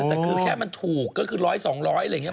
แต่แค่มันถูกก็คือร้อยสองร้อยอะไรอย่างนี้